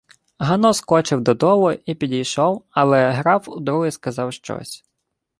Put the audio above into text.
Гано скочив додолу, і підійшов, але граф удруге сказав щось.